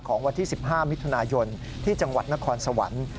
วันที่๑๕มิถุนายนที่จังหวัดนครสวรรค์